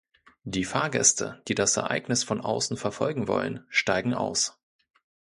Die Fahrgäste, die das Ereignis von außen verfolgen wollen, steigen aus.